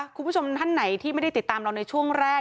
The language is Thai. คุณผู้ชมท่านไหนที่ไม่ได้ติดตามเราในช่วงแรก